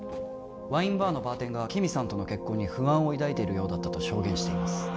ワインバーのバーテンが木見さんとの結婚に不安を抱いているようだったと証言しています